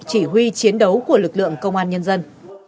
chỉ huy chiến đấu của lực lượng công an nhân dân